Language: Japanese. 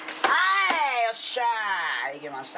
いけました。